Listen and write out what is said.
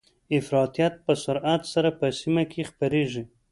افراطيت به په سرعت سره په سیمه کې خپریږي